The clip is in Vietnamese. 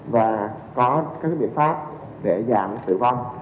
và có các biện pháp để giảm tử vong